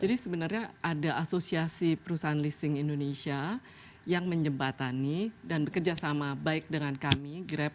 jadi sebenarnya ada asosiasi perusahaan leasing indonesia yang menjembatani dan bekerja sama baik dengan kami grab